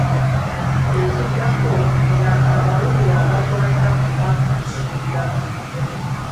Ekiddako, funa amawulire agakwata ku mwaka oguddako.